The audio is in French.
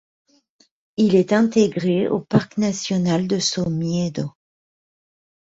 Il est intégré au Parc National de Somiedo.